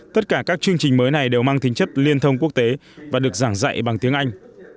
tất cả các chương trình mới này đều mang tính chất liên thông quốc tế và được giảng dạy bằng tiếng anh